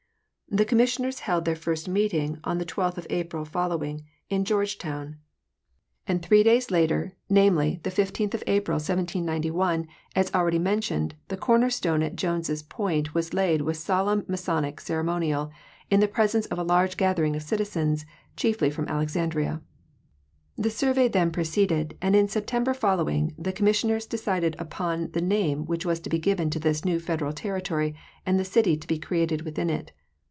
The commissioners held their first meeting on the 12th of April following, in Georgetown, and three days ean The first Survey of the District. 151 later, namely, the 15th of April, 1791, as already mentioned, the corner stone at Jones point was laid with solemn masonic cere monial, in the presence of a large gathering of citizens, chiefly from Alexandria. The survey then proceeded, and in Septem ber following the commissioners decided upon the name which was to be given to this new Federal territory and the city to be created within it.